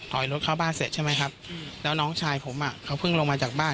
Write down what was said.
ถอยรถเข้าบ้านเสร็จใช่ไหมครับแล้วน้องชายผมอ่ะเขาเพิ่งลงมาจากบ้าน